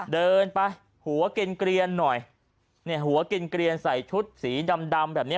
เดินไปหัวกินเกลียนหน่อยเนี่ยหัวกินเกลียนใส่ชุดสีดำดำแบบเนี้ย